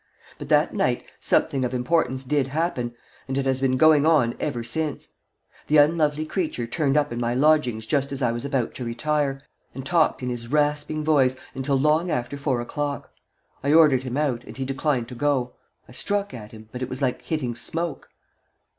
But that night something of importance did happen, and it has been going on ever since. The unlovely creature turned up in my lodgings just as I was about to retire, and talked in his rasping voice until long after four o'clock. I ordered him out, and he declined to go. I struck at him, but it was like hitting smoke.